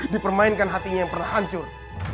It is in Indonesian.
dipermainkan hatinya yang pernah hancur